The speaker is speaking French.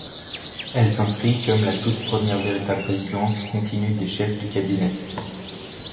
Elle s'inscrit comme la toute première véritable résidence continue des chefs du cabinet.